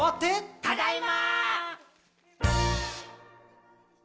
ただいま！